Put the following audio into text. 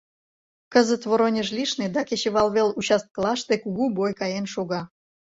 — Кызыт Воронеж лишне да кечывалвел участкылаште кугу бой каен шога.